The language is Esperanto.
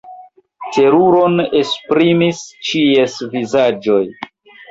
Teruron esprimis ĉies vizaĝoj.